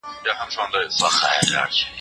زه له سهاره د سبا لپاره د ليکلو تمرين کوم!.